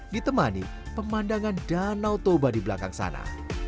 ditemani pemandangan danau toba di belakang sana